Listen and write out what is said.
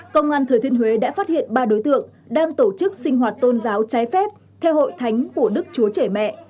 công an thừa thiên huế đã phát hiện ba đối tượng đang tổ chức sinh hoạt tôn giáo trái phép theo hội thánh của đức chúa trẻ mẹ